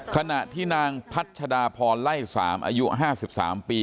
ขณะที่พัชฎาเพราะน้องไล่สามสองอายุ๕๐ปี